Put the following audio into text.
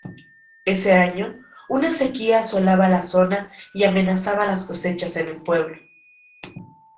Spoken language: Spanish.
Ese año, una sequía asolaba la zona y amenazaba las cosechas en el pueblo.